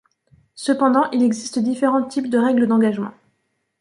Cependant il existe différents types de règles d'engagement.